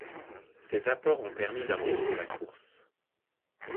Ces apports ont permis d'organiser la course.